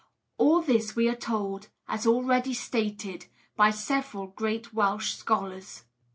All this we are told as already stated by several great Welsh scholars.